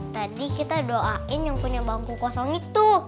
tadi kita doain yang punya bangku kosong itu